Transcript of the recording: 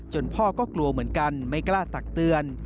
พ่อก็กลัวเหมือนกันไม่กล้าตักเตือน